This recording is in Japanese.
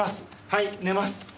はい寝ます。